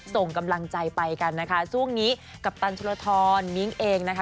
ส่งกำลังใจไปกันนะคะช่วงนี้กัปตันชุลทรมิ้งเองนะคะ